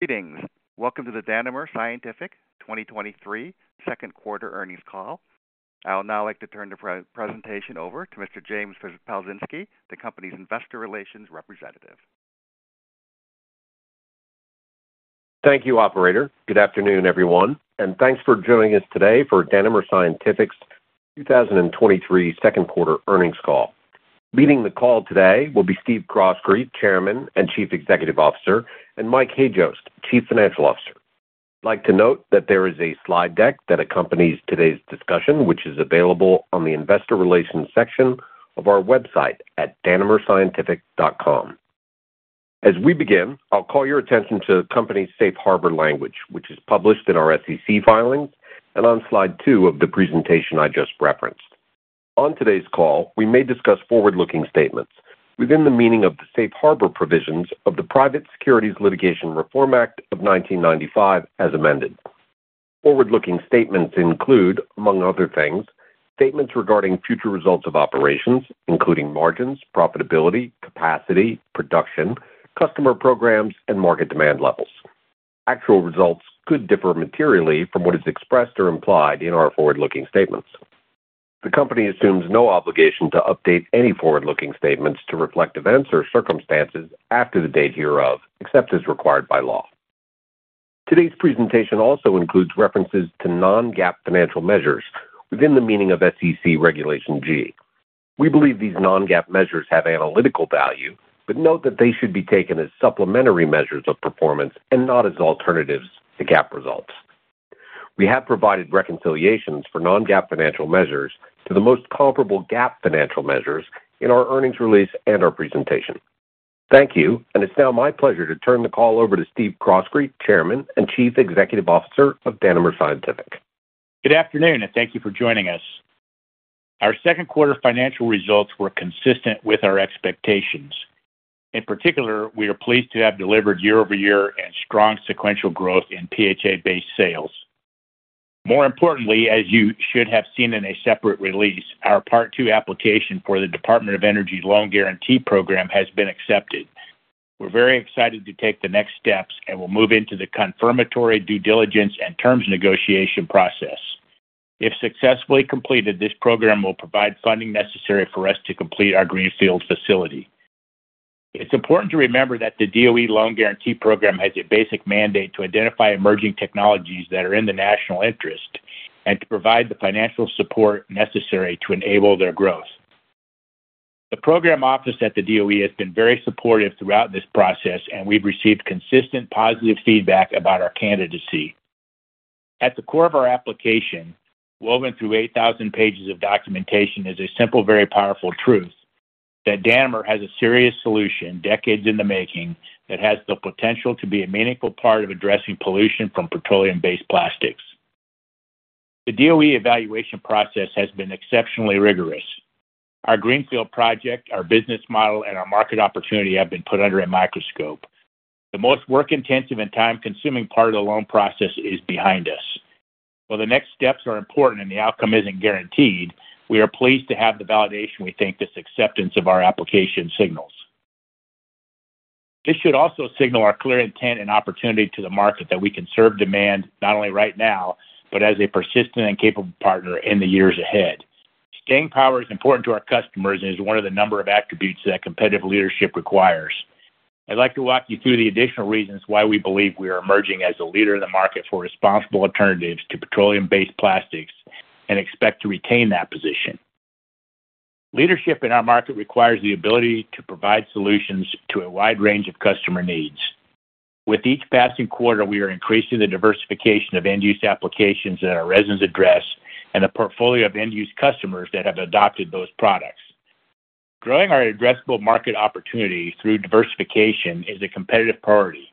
Greetings. Welcome to the Danimer Scientific 2023 Q2 earnings call. I would now like to turn the presentation over to Mr. James Palczynski, the company's investor relations representative. Thank you, operator. Good afternoon, everyone, and thanks for joining today for Danimer Scientific's 2023 Q2 earnings call. Leading the call today will be Steve Croskrey, Chairman and Chief Executive Officer, and Mike Hajost, Chief Financial Officer. I'd like to note that there is a slide deck that accompanies today's discussion, which is available on the Investor Relations section of our website at danimerscientific.com. As we begin, I'll call your attention to the company's Safe Harbor language, which is published in our SEC filings and on slide 2 of the presentation I just referenced. On today's call, we may discuss forward-looking statements within the meaning of the Safe Harbor provisions of the Private Securities Litigation Reform Act of 1995, as amended. Forward-looking statements include, among other things, statements regarding future results of operations, including margins, profitability, capacity, production, customer programs, and market demand levels. Actual results could differ materially from what is expressed or implied in our forward-looking statements. The company assumes no obligation to update any forward-looking statements to reflect events or circumstances after the date hereof, except as required by law. Today's presentation also includes references to non-GAAP financial measures within the meaning of SEC Regulation G. We believe these non-GAAP measures have analytical value, but note that they should be taken as supplementary measures of performance and not as alternatives to GAAP results. We have provided reconciliations for non-GAAP financial measures to the most comparable GAAP financial measures in our earnings release and our presentation. Thank you, and it's now my pleasure to turn the call over to Steve Croskrey, Chairman and Chief Executive Officer of Danimer Scientific. Good afternoon and thank you for joining us. Our Q2 financial results were consistent with our expectations. In particular, we are pleased to have delivered year-over-year and strong sequential growth in PHA-based sales. More importantly, as you should have seen in a separate release, our Part Two application for the Department of Energy's Loan Guarantee program has been accepted. We're very excited to take the next steps, and we'll move into the confirmatory due diligence and terms negotiation process. If successfully completed, this program will provide funding necessary for us to complete our greenfield facility. It's important to remember that the DOE Loan Guarantee program has a basic mandate to identify emerging technologies that are in the national interest and to provide the financial support necessary to enable their growth. The program office at the DOE has been very supportive throughout this process, and we've received consistent positive feedback about our candidacy. At the core of our application, woven through 8,000 pages of documentation, is a simple, very powerful truth that Danimer has a serious solution, decades in the making, that has the potential to be a meaningful part of addressing pollution from petroleum-based plastics. The DOE evaluation process has been exceptionally rigorous. Our greenfield project, our business model, and our market opportunity have been put under a microscope. The most work-intensive and time-consuming part of the loan process is behind us. While the next steps are important and the outcome isn't guaranteed, we are pleased to have the validation we think this acceptance of our application signals. This should also signal our clear intent and opportunity to the market that we can serve demand not only right now, but as a persistent and capable partner in the years ahead. Staying power is important to our customers and is one of the number of attributes that competitive leadership requires. I'd like to walk you through the additional reasons why we believe we are emerging as a leader in the market for responsible alternatives to petroleum-based plastics and expect to retain that position. Leadership in our market requires the ability to provide solutions to a wide range of customer needs. With each passing quarter, we are increasing the diversification of end-use applications that our resins address and the portfolio of end-use customers that have adopted those products. Growing our addressable market opportunity through diversification is a competitive priority.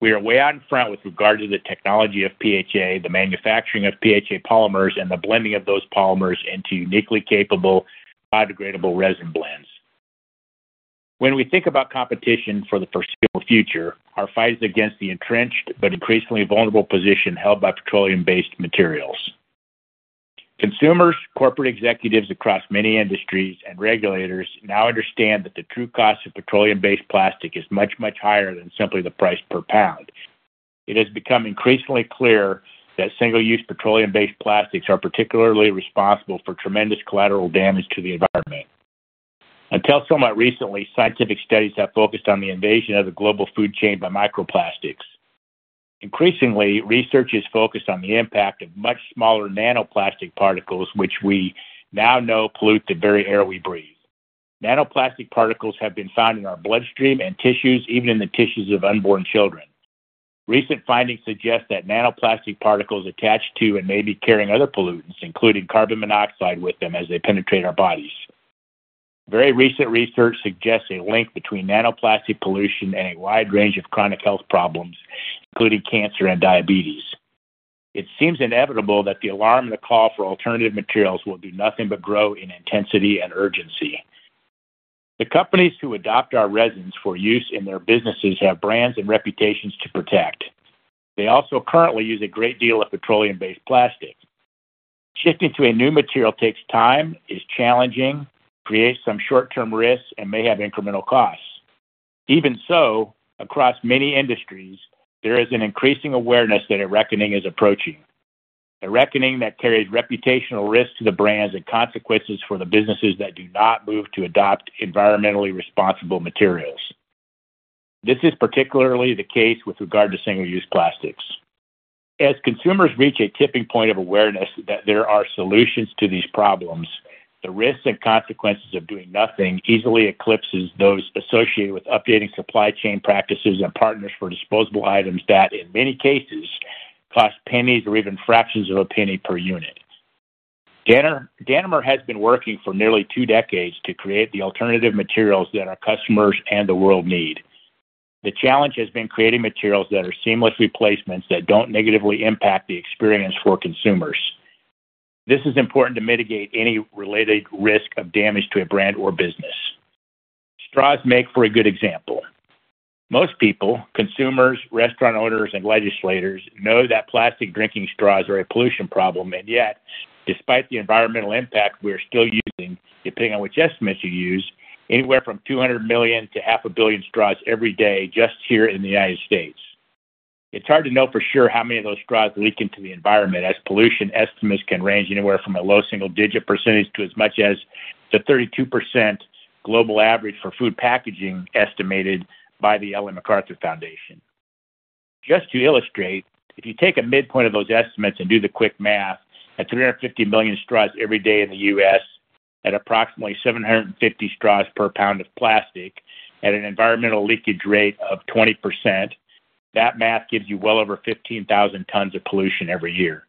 We are way out in front with regard to the technology of PHA, the manufacturing of PHA polymers, and the blending of those polymers into uniquely capable biodegradable resin blends. When we think about competition for the foreseeable future, our fight is against the entrenched but increasingly vulnerable position held by petroleum-based materials. Consumers, corporate executives across many industries, and regulators now understand that the true cost of petroleum-based plastic is much, much higher than simply the price per pound. It has become increasingly clear that single-use petroleum-based plastics are particularly responsible for tremendous collateral damage to the environment. Until somewhat recently, scientific studies have focused on the invasion of the global food chain by microplastics. Increasingly, research is focused on the impact of much smaller nanoplastic particles, which we now know pollute the very air we breathe. Nanoplastic particles have been found in our bloodstream and tissues, even in the tissues of unborn children. Recent findings suggest that nanoplastic particles attach to and may be carrying other pollutants, including carbon monoxide, with them as they penetrate our bodies. Very recent research suggests a link between nanoplastic pollution and a wide range of chronic health problems, including cancer and diabetes. It seems inevitable that the alarm and the call for alternative materials will do nothing but grow in intensity and urgency. The companies who adopt our resins for use in their businesses have brands and reputations to protect. They also currently use a great deal of petroleum-based plastic.... Shifting to a new material takes time, is challenging, creates some short-term risks, and may have incremental costs. Even so, across many industries, there is an increasing awareness that a reckoning is approaching, a reckoning that carries reputational risks to the brands and consequences for the businesses that do not move to adopt environmentally responsible materials. This is particularly the case with regard to single-use plastics. As consumers reach a tipping point of awareness that there are solutions to these problems, the risks and consequences of doing nothing easily eclipses those associated with updating supply chain practices and partners for disposable items that, in many cases, cost pennies or even fractions of a penny per unit. Danimer has been working for nearly two decades to create the alternative materials that our customers and the world need. The challenge has been creating materials that are seamless replacements that don't negatively impact the experience for consumers. This is important to mitigate any related risk of damage to a brand or business. Straws make for a good example. Most people, consumers, restaurant owners, and legislators, know that plastic drinking straws are a pollution problem. Yet, despite the environmental impact, we are still using, depending on which estimates you use, anywhere from 200 million to 500 million straws every day just here in the United States. It's hard to know for sure how many of those straws leak into the environment, as pollution estimates can range anywhere from a low single-digit % to as much as the 32% global average for food packaging, estimated by the Ellen MacArthur Foundation. Just to illustrate, if you take a midpoint of those estimates and do the quick math, at 350 million straws every day in the U.S., at approximately 750 straws per pound of plastic, at an environmental leakage rate of 20%, that math gives you well over 15,000 tons of pollution every year.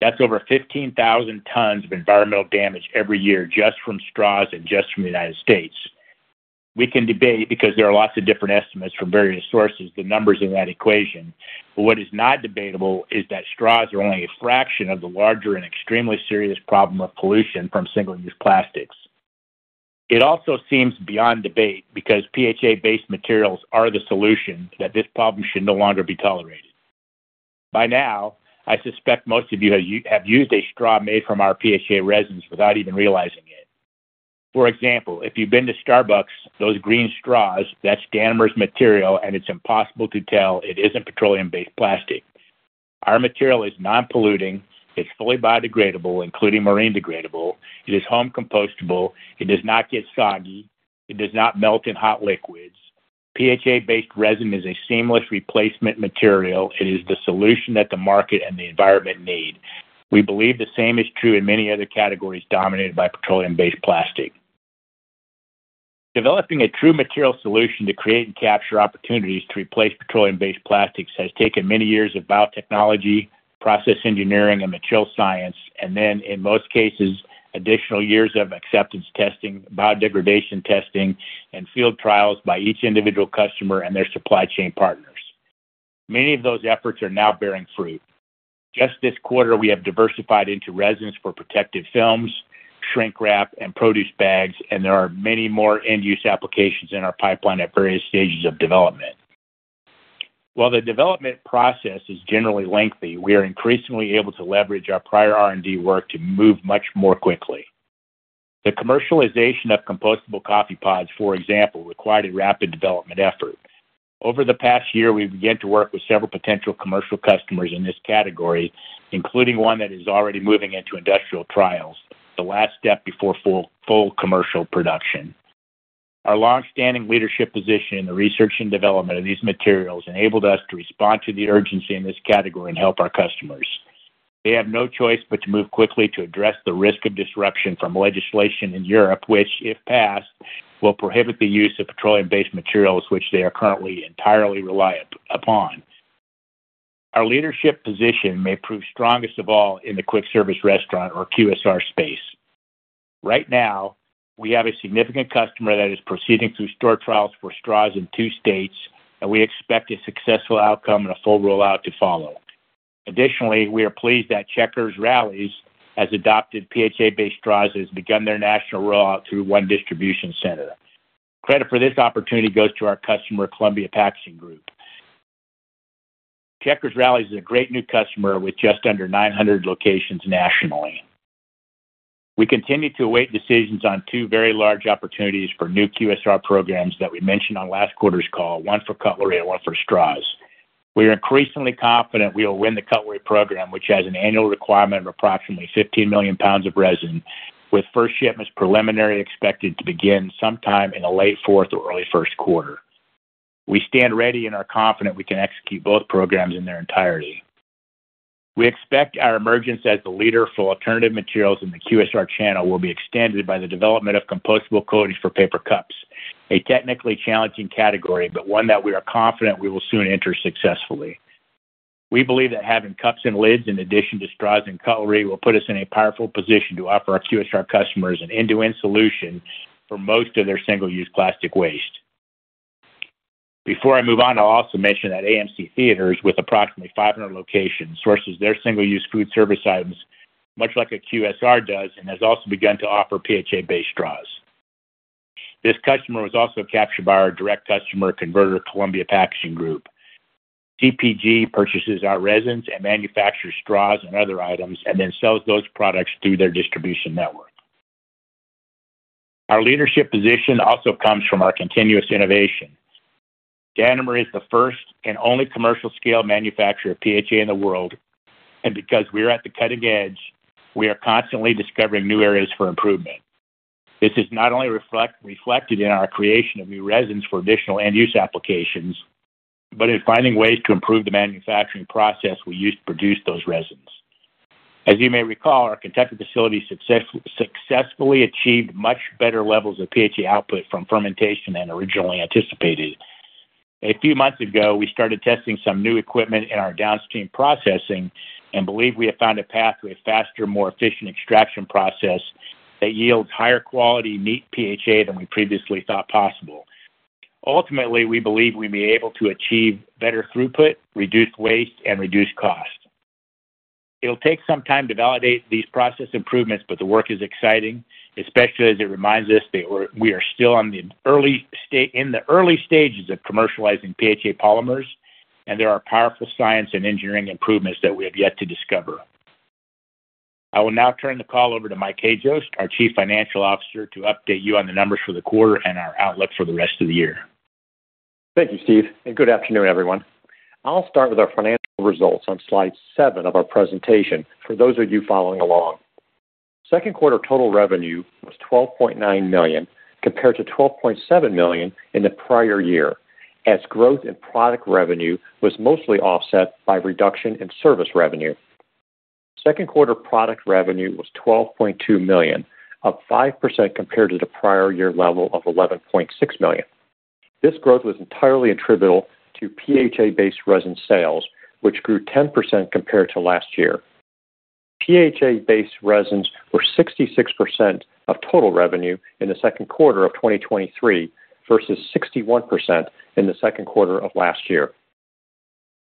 That's over 15,000 tons of environmental damage every year just from straws and just from the United States. We can debate because there are lots of different estimates from various sources, the numbers in that equation, but what is not debatable is that straws are only a fraction of the larger and extremely serious problem of pollution from single-use plastics. It also seems beyond debate because PHA-based materials are the solution that this problem should no longer be tolerated. By now, I suspect most of you have used a straw made from our PHA resins without even realizing it. For example, if you've been to Starbucks, those green straws, that's Danimer's material, and it's impossible to tell it isn't petroleum-based plastic. Our material is non-polluting, it's fully biodegradable, including marine degradable. It is home compostable. It does not get soggy. It does not melt in hot liquids. PHA-based resin is a seamless replacement material. It is the solution that the market and the environment need. We believe the same is true in many other categories dominated by petroleum-based plastic. Developing a true material solution to create and capture opportunities to replace petroleum-based plastics has taken many years of biotechnology, process engineering, and material science, and then, in most cases, additional years of acceptance testing, biodegradation testing, and field trials by each individual customer and their supply chain partners. Many of those efforts are now bearing fruit. Just this quarter, we have diversified into residence for protective films, shrink wrap, and produce bags, and there are many more end-use applications in our pipeline at various stages of development. While the development process is generally lengthy, we are increasingly able to leverage our prior R&D work to move much more quickly. The commercialization of compostable coffee pods, for example, required a rapid development effort. Over the past year, we began to work with several potential commercial customers in this category, including one that is already moving into industrial trials, the last step before full, full commercial production. Our long-standing leadership position in the research and development of these materials enabled us to respond to the urgency in this category and help our customers. They have no choice but to move quickly to address the risk of disruption from legislation in Europe, which, if passed, will prohibit the use of petroleum-based materials, which they are currently entirely reliant upon. Our leadership position may prove strongest of all in the quick service restaurant or QSR space. Right now, we have a significant customer that is proceeding through store trials for straws in two states, and we expect a successful outcome and a full rollout to follow. Additionally, we are pleased that Checkers & Rally's has adopted PHA-based straws and has begun their national rollout through 1 distribution center. Credit for this opportunity goes to our customer, Columbia Packaging Group. Checkers & Rally's is a great new customer with just under 900 locations nationally. We continue to await decisions on 2 very large opportunities for new QSR programs that we mentioned on last quarter's call, 1 for cutlery and 1 for straws. We are increasingly confident we will win the cutlery program, which has an annual requirement of approximately 15 million pounds of resin, with first shipments preliminarily expected to begin sometime in the late fourth or early Q1. We stand ready and are confident we can execute both programs in their entirety. We expect our emergence as the leader for alternative materials in the QSR channel will be extended by the development of compostable coatings for paper cups, a technically challenging category, but one that we are confident we will soon enter successfully. We believe that having cups and lids in addition to straws and cutlery, will put us in a powerful position to offer our QSR customers an end-to-end solution for most of their single-use plastic waste. Before I move on, I'll also mention that AMC Theatres, with approximately 500 locations, sources their single-use food service items much like a QSR does and has also begun to offer PHA-based straws. This customer was also captured by our direct customer converter, Columbia Packaging Group. CPG purchases our resins and manufactures straws and other items and then sells those products through their distribution network. Our leadership position also comes from our continuous innovation. Danimer is the first and only commercial-scale manufacturer of PHA in the world, and because we are at the cutting edge, we are constantly discovering new areas for improvement. This is not only reflected in our creation of new resins for additional end-use applications, but in finding ways to improve the manufacturing process we use to produce those resins. As you may recall, our Kentucky facility successfully achieved much better levels of PHA output from fermentation than originally anticipated. A few months ago, we started testing some new equipment in our downstream processing and believe we have found a path to a faster, more efficient extraction process that yields higher quality neat PHA than we previously thought possible. Ultimately, we believe we'll be able to achieve better throughput, reduced waste, and reduced costs. It'll take some time to validate these process improvements, but the work is exciting, especially as it reminds us that we're, we are still in the early stages of commercializing PHA polymers, and there are powerful science and engineering improvements that we have yet to discover. I will now turn the call over to Mike Hajost, our Chief Financial Officer, to update you on the numbers for the quarter and our outlook for the rest of the year. Thank you, Steve. Good afternoon, everyone. I'll start with our financial results on slide 7 of our presentation for those of you following along. Q2 total revenue was $12.9 million, compared to $12.7 million in the prior year, as growth in product revenue was mostly offset by a reduction in service revenue. Q2 product revenue was $12.2 million, up 5% compared to the prior year level of $11.6 million. This growth was entirely attributable to PHA-based resin sales, which grew 10% compared to last year. PHA-based resins were 66% of total revenue in the Q2 of 2023 versus 61% in the Q2 of last year.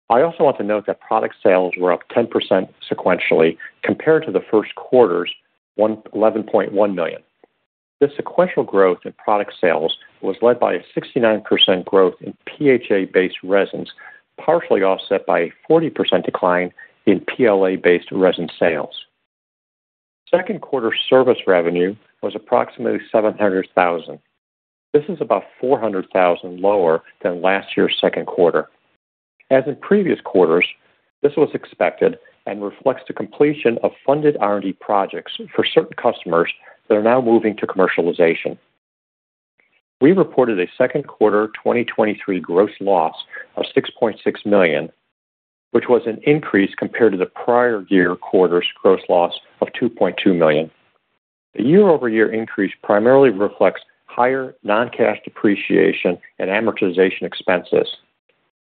I also want to note that product sales were up 10% sequentially compared to the Q1 $11.1 million. This sequential growth in product sales was led by a 69% growth in PHA-based resins, partially offset by a 40% decline in PLA-based resin sales. Q2 service revenue was approximately $700,000. This is about $400,000 lower than last year's Q2. As in previous quarters, this was expected and reflects the completion of funded R&D projects for certain customers that are now moving to commercialization. We reported a second quarter 2023 gross loss of $6.6 million, which was an increase compared to the prior year quarter's gross loss of $2.2 million. The year-over-year increase primarily reflects higher non-cash depreciation and amortization expenses.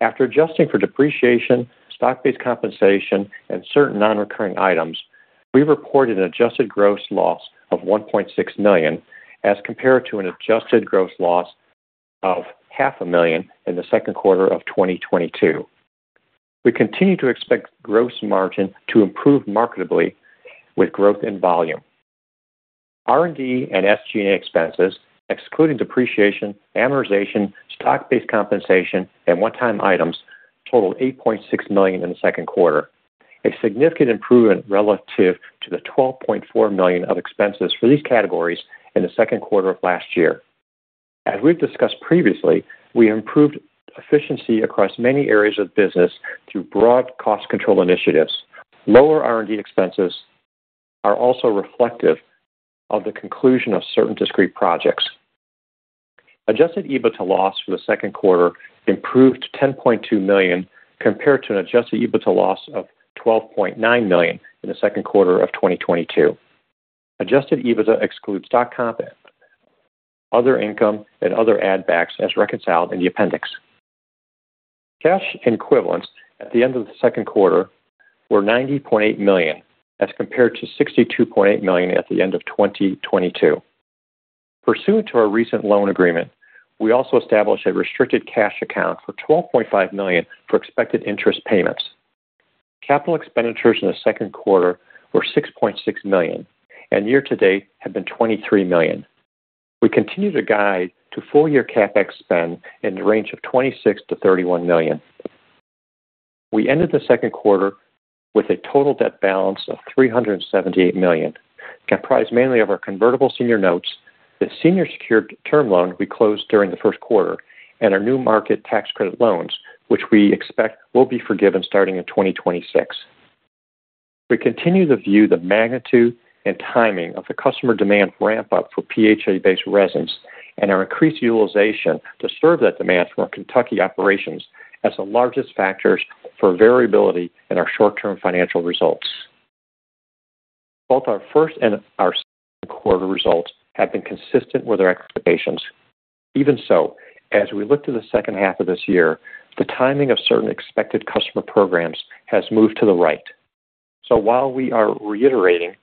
After adjusting for depreciation, stock-based compensation, and certain non-recurring items, we reported an Adjusted gross loss of $1.6 million, as compared to an Adjusted gross loss of $500,000 in the Q2 of 2022. We continue to expect gross margin to improve markedly with growth in volume. R&D and SG&A expenses, excluding depreciation, amortization, stock-based compensation, and one-time items, totaled $8.6 million in the Q2, a significant improvement relative to the $12.4 million of expenses for these categories in the Q2 of last year. As we've discussed previously, we improved efficiency across many areas of the business through broad cost control initiatives. Lower R&D expenses are also reflective of the conclusion of certain discrete projects. Adjusted EBITDA loss for the Q2 improved to $10.2 million, compared to an Adjusted EBITDA loss of $12.9 million in the Q2 of 2022. Adjusted EBITDA excludes stock comp, other income, and other add backs as reconciled in the appendix. Cash equivalents at the end of the Q2 were $90.8 million, as compared to $62.8 million at the end of 2022. Pursuant to our recent loan agreement, we also established a restricted cash account for $12.5 million for expected interest payments. Capital expenditures in the Q2 were $6.6 million, and year-to-date have been $23 million. We continue to guide to full-year CapEx spend in the range of $26 million-$31 million. We ended the Q2 with a total debt balance of $378 million, comprised mainly of our convertible senior notes, the senior secured term loan we closed during the Q1 and our New Markets Tax Credit loans, which we expect will be forgiven starting in 2026. We continue to view the magnitude and timing of the customer demand ramp-up for PHA-based resins and our increased utilization to serve that demand from our Kentucky operations as the largest factors for variability in our short-term financial results. Both our first and our Q2 results have been consistent with our expectations. Even so, as we look to the second half of this year, the timing of certain expected customer programs has moved to the right. While we are reiterating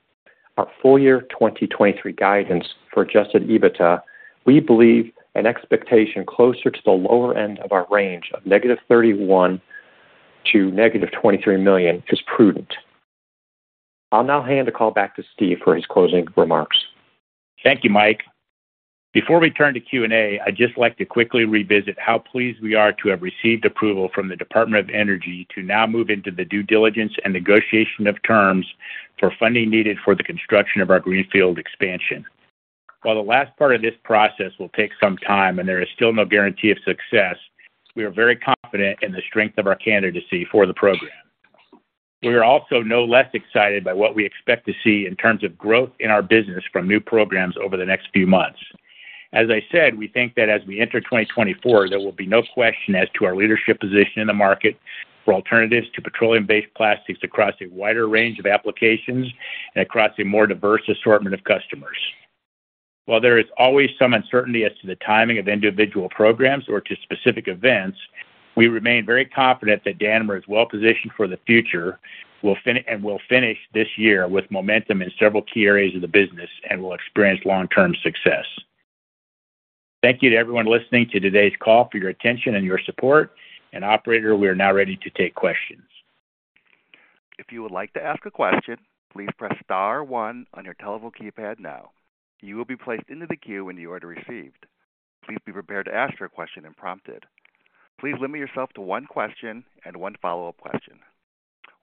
our full-year 2023 guidance for Adjusted EBITDA, we believe an expectation closer to the lower end of our range of -$31 million to -$23 million is prudent. I'll now hand the call back to Steve for his closing remarks. Thank you, Mike. Before we turn to Q&A, I'd just like to quickly revisit how pleased we are to have received approval from the Department of Energy to now move into the due diligence and negotiation of terms for funding needed for the construction of our greenfield expansion. While the last part of this process will take some time and there is still no guarantee of success, we are very confident in the strength of our candidacy for the program. We are also no less excited by what we expect to see in terms of growth in our business from new programs over the next few months. As I said, we think that as we enter 2024, there will be no question as to our leadership position in the market for alternatives to petroleum-based plastics across a wider range of applications and across a more diverse assortment of customers. While there is always some uncertainty as to the timing of individual programs or to specific events, we remain very confident that Danimer is well positioned for the future. Will finish this year with momentum in several key areas of the business and will experience long-term success. Thank you to everyone listening to today's call for your attention and your support. Operator, we are now ready to take questions. If you would like to ask a question, please press star 1 on your telephone keypad now. You will be placed into the queue when you are to receive. Please be prepared to ask for a question when prompted. Please limit yourself to 1 question and 1 follow-up question.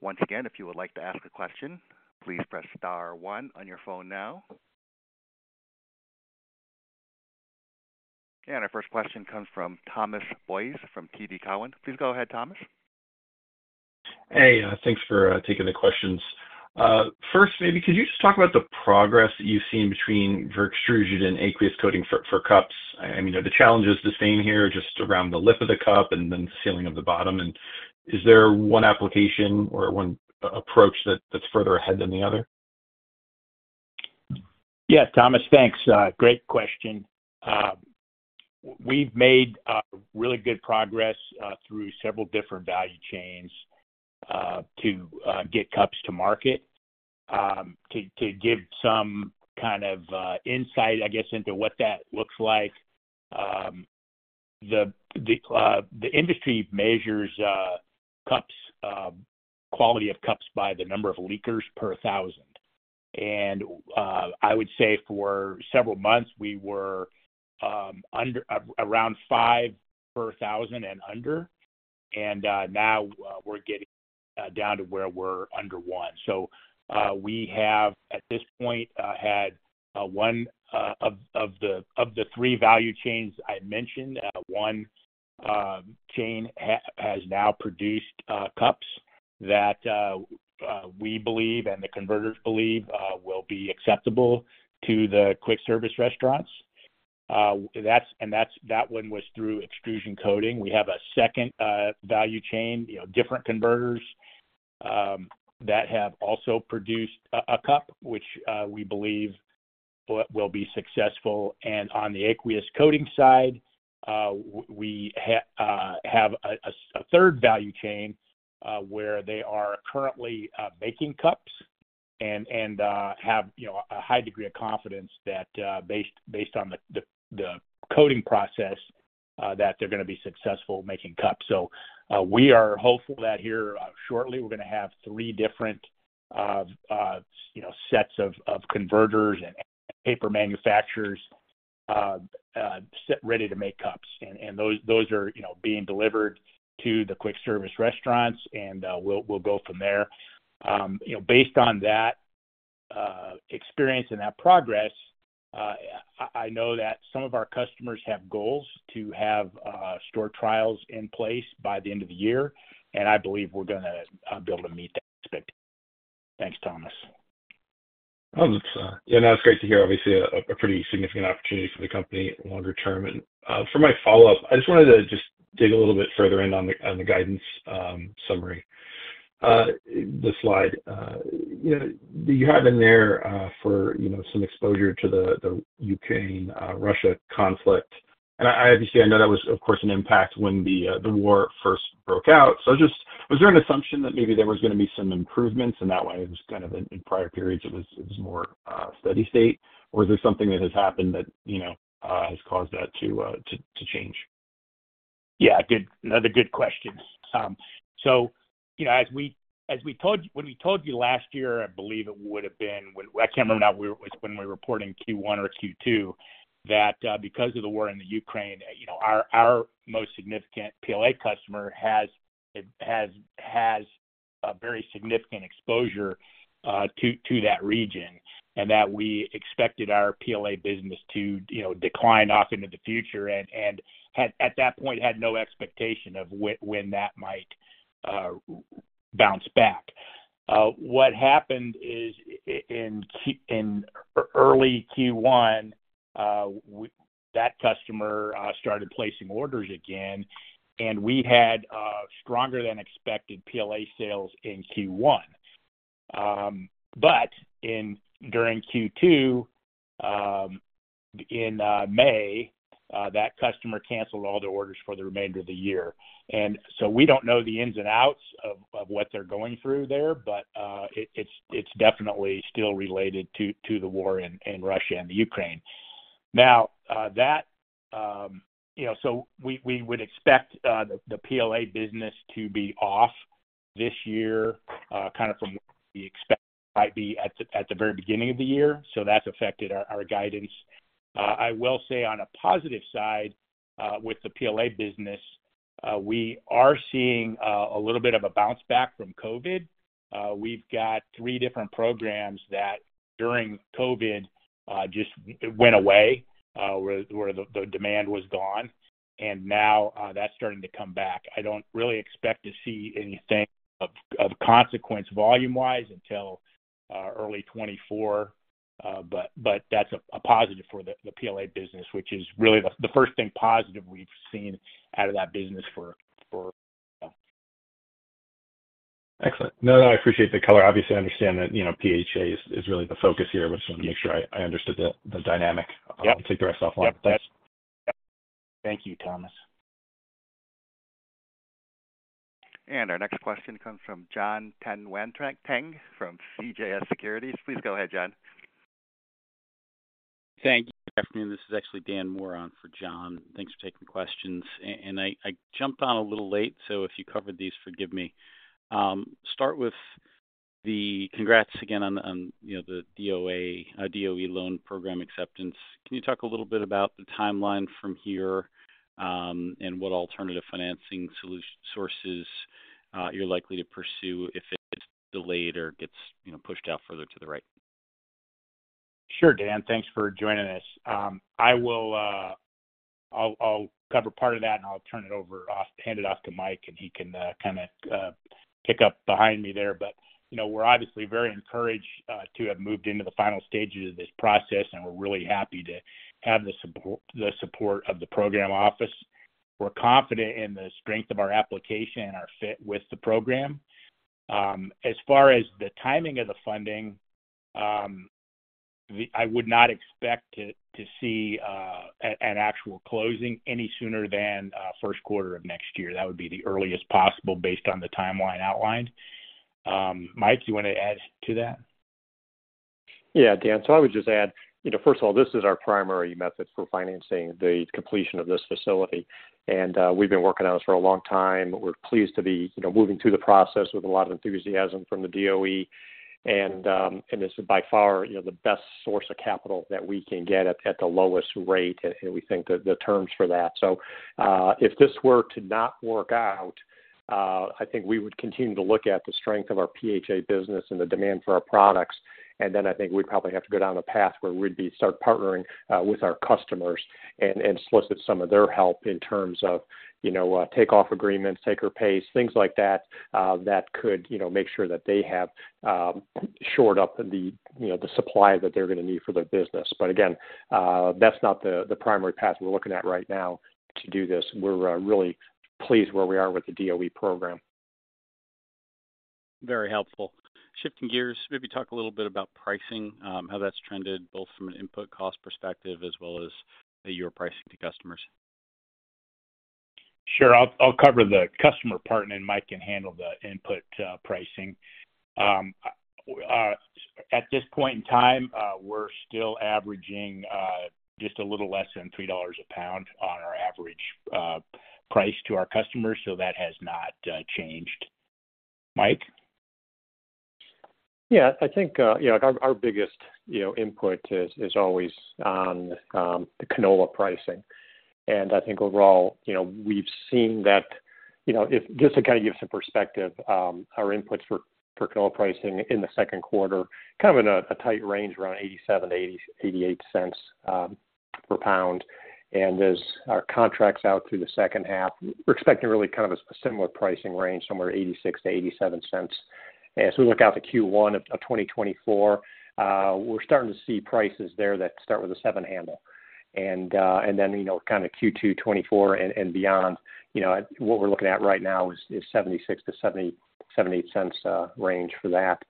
Once again, if you would like to ask a question, please press star 1 on your phone now. Our first question comes from Thomas Boyes from TD Cowen. Please go ahead, Thomas. Hey, thanks for taking the questions. First, maybe could you just talk about the progress that you've seen between your extrusion coating and aqueous coating for, for cups? I mean, are the challenges the same here, just around the lip of the cup and then the ceiling of the bottom? Is there one application or one approach that, that's further ahead than the other? Yeah, Thomas, thanks. Great question. We've made really good progress through several different value chains to get cups to market. To give some kind of insight, I guess, into what that looks like. The industry measures cups, quality of cups by the number of leakers per thousand. I would say for several months, we were under, around 5 per thousand and under, now we're getting down to where we're under 1. We have, at this point, had 1 of the 3 value chains I mentioned, 1 chain has now produced cups that we believe and the converters believe will be acceptable to the quick service restaurants. Uh, that's-- and that's, that one was through extrusion coating. We have a second, uh, value chain, different converters, um, that have also produced a, a cup, which, uh, we believe will, will be successful. And on the aqueous coating side, uh, w- we ha- uh, have a, a s- a third value chain, uh, where they are currently, uh, making cups and, and, uh, have, a high degree of confidence that, uh, based, based on the, the, the coating process, uh, that they're going to be successful making cups. So, uh, we are hopeful that here, uh, shortly, we're going to have three different, uh, sets of, of converters and paper manufacturers, uh, uh, set ready to make cups. And, and those, those are, being delivered to the quick service restaurants, and, uh, we'll, we'll go from there. Based on that experience and that progress, I know that some of our customers have goals to have store trials in place by the end of the year, and I believe we're gonna be able to meet that expectation. Thanks, Thomas. Oh, that's... Yeah, that's great to hear. Obviously a pretty significant opportunity for the company longer term. For my follow-up, I just wanted to just dig a little bit further in on the guidance summary. The slide, you have in there, for, some exposure to the Ukraine, Russia conflict. I obviously know that was, of course, an impact when the war first broke out. Just, was there an assumption that maybe there was going to be some improvements, and that way it was kind of in prior periods, it was more steady-state? Or is there something that has happened that, has caused that to change? Yeah, good. Another good question. As we, as we told you, when we told you last year, I believe it would have been, I can't remember now, we, when we reported in Q1 or Q2, that, because of the war in the Ukraine, our, our most significant PLA customer has a very significant exposure to that region, and that we expected our PLA business to, decline off into the future, and at that point, had no expectation of when that might bounce back. What happened is in early Q1, that customer started placing orders again, and we had stronger than expected PLA sales in Q1. In, during Q2, in May, that customer canceled all the orders for the remainder of the year. We don't know the ins and outs of what they're going through there, but it's, it's definitely still related to the war in Russia and the Ukraine. That, so we, we would expect the PLA business to be off this year, kind of from what we expect might be at the very beginning of the year, so that's affected our guidance. I will say on a positive side, with the PLA business, we are seeing a little bit of a bounce back from COVID. We've got 3 different programs that during COVID just went away, where the demand was gone. Now that's starting to come back. I don't really expect to see anything of consequence volume-wise until early 2024. That's a positive for the PLA business, which is really the first thing positive we've seen out of that business for. Excellent. No, no, I appreciate the color. Obviously, I understand that, PHA is, is really the focus here, but just want to make sure I, I understood the, the dynamic. Yep. I'll take the rest offline. Yep. Thanks. Thank you, Thomas. Our next question comes from Jonathan Tanwanteng, from CJS Securities. Please go ahead, John. Thank you. Good afternoon. This is actually Dan Moore for John. Thanks for taking questions. I, I jumped on a little late, so if you covered these, forgive me. Start with the congrats again on, the DOE, DOE loan program acceptance. Can you talk a little bit about the timeline from here, and what alternative financing solution sources, you're likely to pursue if it's delayed or gets, pushed out further to the right? Sure, Dan. Thanks for joining us. I will, I'll, I'll cover part of that, and I'll turn it over hand it off to Mike, and he can, kind of, pick up behind me there. We're obviously very encouraged to have moved into the final stages of this process, and we're really happy to have the support, the support of the program office. We're confident in the strength of our application and our fit with the program. As far as the timing of the funding, I would not expect to, to see an, an actual closing any sooner than Q1 of next year. That would be the earliest possible based on the timeline outlined. Mike, you want to add to that? Yeah, Dan. I would just add, first of all, this is our primary method for financing the completion of this facility, and we've been working on this for a long time. We're pleased to be, moving through the process with a lot of enthusiasm from the DOE. This is by far, the best source of capital that we can get at, at the lowest rate, and we think that the terms for that. If this were to not work out, I think we would continue to look at the strength of our PHA business and the demand for our products. Then I think we'd probably have to go down a path where we'd be start partnering with our customers and, and solicit some of their help in terms of, take-off agreements, take or pay, things like that, that could, make sure that they have shored up the supply that they're going to need for their business. Again, that's not the, the primary path we're looking at right now to do this. We're really pleased where we are with the DOE program. Very helpful. Shifting gears, maybe talk a little bit about pricing, how that's trended, both from an input cost perspective as well as your pricing to customers. Sure. I'll, I'll cover the customer part, and Mike can handle the input, pricing. At this point in time, we're still averaging, just a little less than $3 a pound on our average, price to our customers, so that has not, changed. Mike? Yeah, I think, our biggest, input is, is always on the canola pricing. I think overall, we've seen that, if just to kind of give some perspective, our inputs for canola pricing in the Q2, kind of in a tight range, around $0.87-$0.88 per pound. As our contracts out through the second half, we're expecting really kind of a similar pricing range, somewhere $0.86-$0.87. As we look out to Q1 of 2024, we're starting to see prices there that start with a seven handle. Then, kind of Q2 2024 and beyond, what we're looking at right now is $0.76-$0.78 range for that.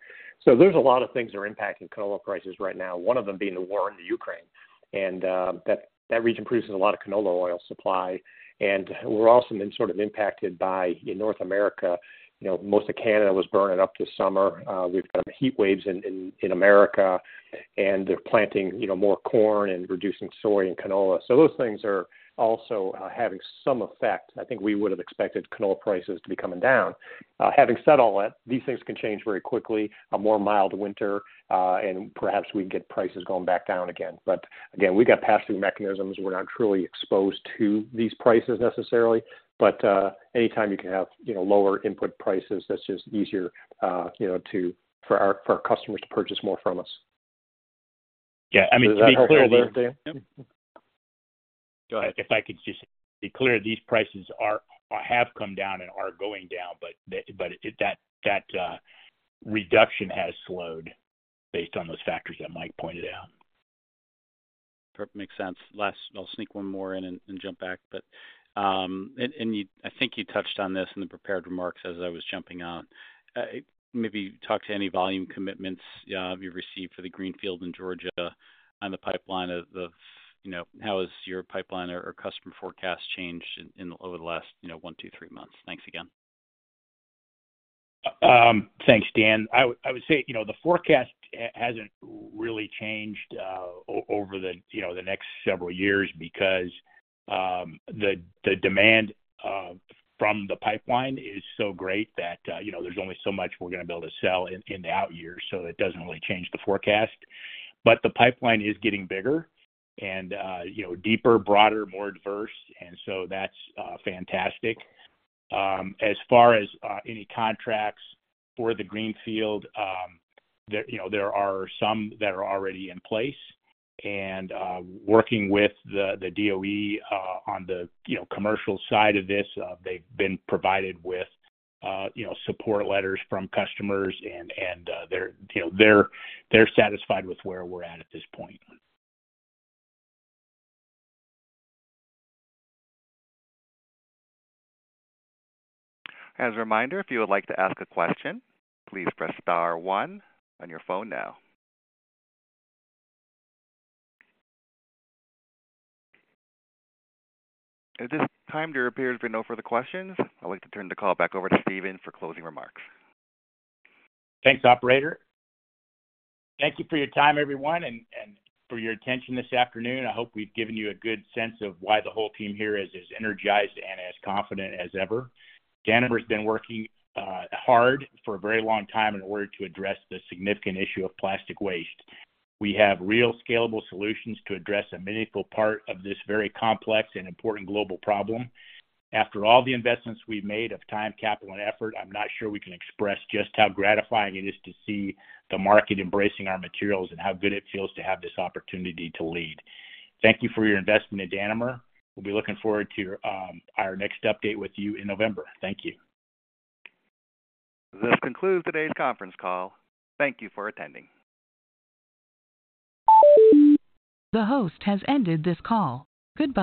There's a lot of things that are impacting canola prices right now, one of them being the war in the Ukraine. That, that region produces a lot of canola oil supply. We're also then sort of impacted by, in North America, most of Canada was burning up this summer. We've got heat waves in, in, in America, and they're planting, more corn and reducing soy and canola. Those things are also, having some effect. I think we would have expected canola prices to be coming down. Having said all that, these things can change very quickly, a more mild winter, and perhaps we can get prices going back down again. Again, we got pass-through mechanisms. We're not truly exposed to these prices necessarily, but, anytime you can have,, lower input prices, that's just easier, for our, for our customers to purchase more from us. Yeah, I mean, to be clear though. Go ahead. If I could just be clear, these prices have come down and are going down, but the reduction has slowed based on those factors that Mike pointed out. Perfect. Makes sense. Last, I'll sneak one more in and, and jump back, but... And you-- I think you touched on this in the prepared remarks as I was jumping on. Maybe talk to any volume commitments you've received for the Greenfield in Georgia on the pipeline of the, how has your pipeline or customer forecast changed in, over the last, one, two, three months? Thanks again. Thanks, Dan. I would, I would say, the forecast ha- hasn't really changed, o- over the, the next several years because, the, the demand from the pipeline is so great that, there's only so much we're going to be able to sell in, in the out years, so it doesn't really change the forecast. The pipeline is getting bigger and, deeper, broader, more diverse, and so that's fantastic. As far as any contracts for the greenfield, there, there are some that are already in place. Working with the, the DOE, on the, commercial side of this, they've been provided with, support letters from customers, and, and, they're, they're, they're satisfied with where we're at at this point. As a reminder, if you would like to ask a question, please press star one on your phone now. At this time, there appears to be no further questions. I'd like to turn the call back over to Steve for closing remarks. Thanks, operator. Thank you for your time, everyone, and for your attention this afternoon. I hope we've given you a good sense of why the whole team here is as energized and as confident as ever. Danimer has been working hard for a very long time in order to address the significant issue of plastic waste. We have real scalable solutions to address a meaningful part of this very complex and important global problem. After all the investments we've made of time, capital, and effort, I'm not sure we can express just how gratifying it is to see the market embracing our materials and how good it feels to have this opportunity to lead. Thank you for your investment at Danimer. We'll be looking forward to your, our next update with you in November. Thank you. This concludes today's conference call. Thank you for attending. The host has ended this call. Goodbye.